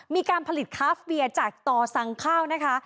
มีการผลิตคาฟเวียจากต่อสั่งข้าวนะคะ